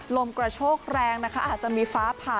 ลมกระโชกแรงนะคะอาจจะมีฟ้าผ่า